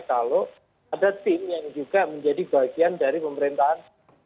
kalau ada tim yang juga menjadi bagian dari pemerintahan